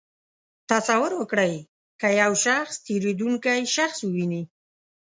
تصور وکړئ که یو شخص تېرېدونکی شخص وویني.